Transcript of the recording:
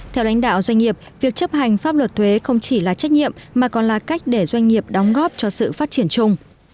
theo đánh đạo doanh nghiệp việc chấp hành pháp luật thuế không chỉ là trách nhiệm mà còn là cách để doanh nghiệp đóng góp cho sự phát triển chung